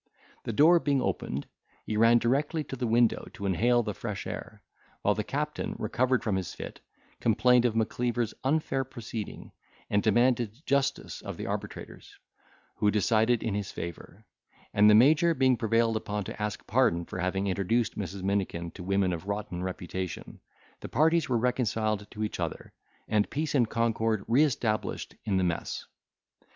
The door being opened, he ran directly to the window, to inhale the fresh air, while the captain, recovering from his fit, complained of Macleaver's unfair proceeding, and demanded justice of the arbitrators, who decided in his favour; and the major being prevailed upon to ask pardon for having introduced Mrs. Minikin to women of rotten reputation, the parties were reconciled to each other, and peace and concord re established in the mess.